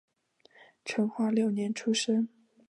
成化六年出生。